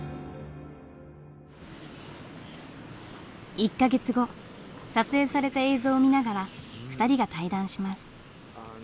１か月後撮影された映像を見ながら２人が対談します。